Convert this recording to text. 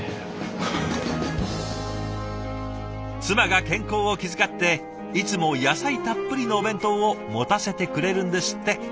妻が健康を気遣っていつも野菜たっぷりのお弁当を持たせてくれるんですって。